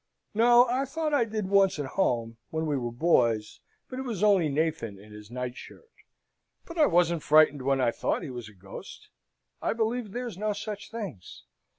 "No. I thought I did once at home when we were boys; but it was only Nathan in his night shirt; but I wasn't frightened when I thought he was a ghost. I believe there's no such things.